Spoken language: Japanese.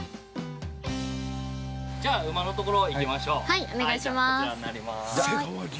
◆じゃあ馬のところ、行きましょう。